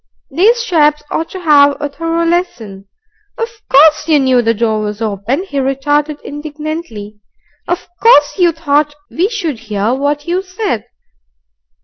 These chaps ought to have a thorough lesson. "Of COURSE you knew the door was open," he retorted indignantly. "Of COURSE you thought we should hear what you said.